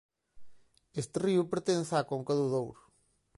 Este río pertence á conca do Douro.